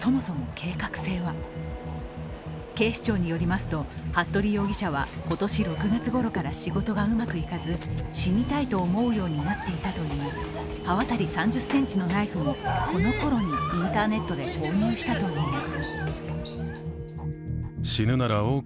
警視庁によりますと服部容疑者は今年６月ごろから仕事がうまくいかず死にたいと思うようになっていたといい、刃渡り３０ｃｍのナイフもこのころにインターネットで購入したといいます。